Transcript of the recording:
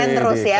keren terus ya